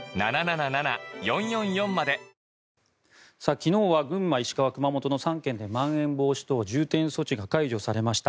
昨日は群馬、石川、熊本の３県でまん延防止等重点措置が解除されました。